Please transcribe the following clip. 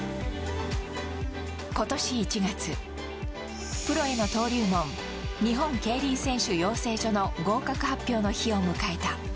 今年１月、プロへの登竜門日本競輪選手養成所の合格発表の日を迎えた。